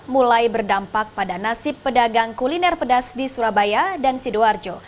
mulai berdampak pada nasib pedagang kuliner pedas di surabaya dan sidoarjo